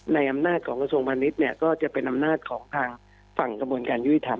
ในอำนาจของกระทรวงพาณิชย์เนี่ยก็จะเป็นอำนาจของทางฝั่งกระบวนการยุติธรรม